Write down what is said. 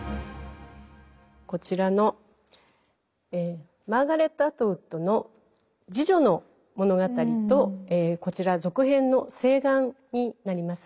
こちらのマーガレット・アトウッドの「侍女の物語」とこちら続編の「誓願」になります。